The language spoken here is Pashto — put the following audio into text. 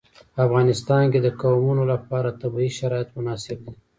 په افغانستان کې د قومونه لپاره طبیعي شرایط مناسب دي.